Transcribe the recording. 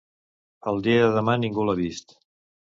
El dia de demà ningú l'ha vist.